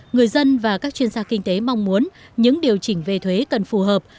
người dân và các chuyên gia kinh tế mong muốn những điều chỉnh về thuế cần phù hợp